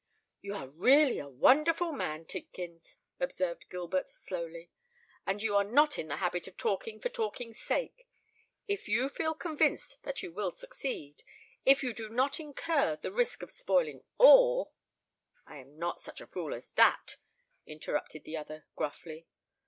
"You are really a wonderful man, Tidkins," observed Gilbert, slowly; "and you are not in the habit of talking for talking's sake. If you feel convinced that you will succeed—if you do not incur the risk of spoiling all——" "I am not such a fool as that," interrupted the other, gruffly.